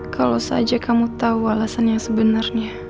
kalau saja kamu tahu alasan yang sebenarnya